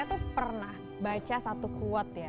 iya saya tuh pernah baca satu kuot ya